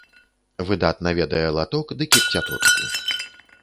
Выдатна ведае латок ды кіпцяточку.